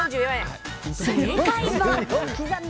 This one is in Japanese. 正解は。